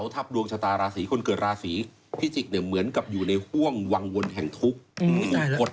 ทำแค่ไม่กี่หมื่นเล่มเลย